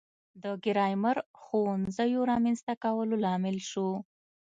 د ګرامر ښوونځیو رامنځته کولو لامل شو.